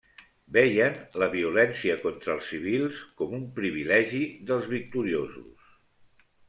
Veien la violència contra els civils com un privilegi dels victoriosos.